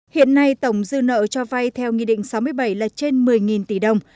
hiện nay tổng dư nợ cho vay theo nghị định sáu mươi bảy là trên một mươi tỷ đồng